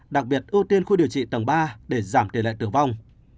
đặc biệt ưu tiên khu điều trị tầng ba để giảm tỷ lệ tử vong